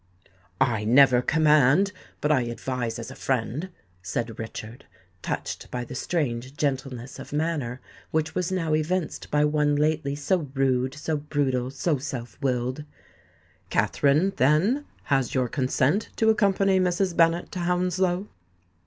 "I never command—but I advise as a friend," said Richard, touched by the strange gentleness of manner which was now evinced by one lately so rude, so brutal, so self willed. "Katherine, then, has your consent to accompany Mrs. Bennet to Hounslow?"